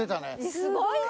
すごいね。